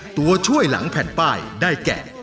ตัวช่วยหลังแผ่นป้ายได้แก่